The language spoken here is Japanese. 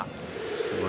すごい。